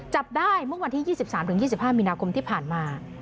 จับได้เมื่อวันที่๒๓๒๕มีนาคมที่ผ่านมา